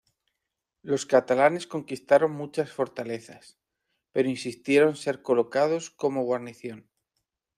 Los catalanes conquistaron muchas fortalezas, pero insistieron ser colocados como guarnición.